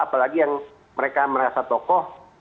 apalagi yang mereka merasa tokoh